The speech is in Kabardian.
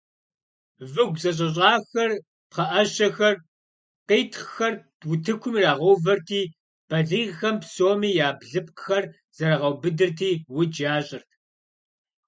Выгу зэщӀэщӀахэр, пхъэӀэщэхэр, къитхъхэр утыкум ирагъэувэрти, балигъхэм псоми я блыпкъхэр зэрагъэубыдырти, удж ящӀырт.